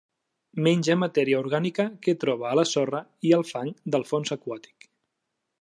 Menja matèria orgànica que troba a la sorra i el fang del fons aquàtic.